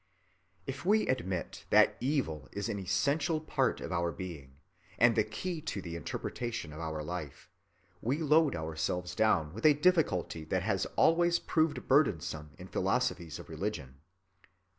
If we admit that evil is an essential part of our being and the key to the interpretation of our life, we load ourselves down with a difficulty that has always proved burdensome in philosophies of religion.